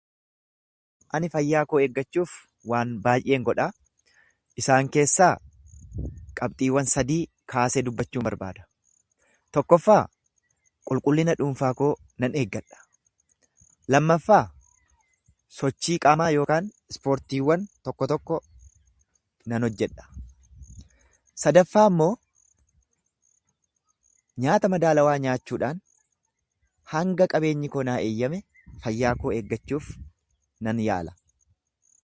Ani fayyaa koo eeggachuuf waan baay'een godhaa. Isaan keessaa, qabxiiwwan sadii kaasee dubbachuun barbaada. Tokkoffaa qulqullina dhuunfaa koo nan eeggadha. Lammaffaa sochii qaamaa yookaan ispoortiiwwan tokko tokko nan hojjedha. Sadaffaammoo nyaata madaalawaa nyaachuudhaan, hanga qabeenyi koo naa eeyyame fayyaa koo eeggachuuf nan yaala.